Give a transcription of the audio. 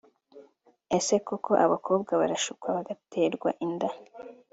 Ese koko abakobwa barashukwa bagaterwa inda